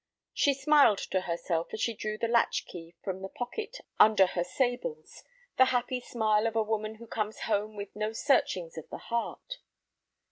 She smiled to herself as she drew the latch key from the pocket under her sables, the happy smile of a woman who comes home with no searchings of the heart.